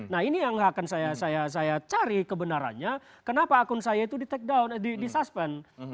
nah ini yang akan saya cari kebenarannya kenapa akun saya itu di suspend